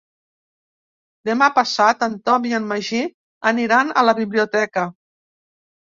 Demà passat en Tom i en Magí aniran a la biblioteca.